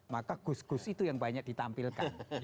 maka gus gus itu yang banyak ditampilkan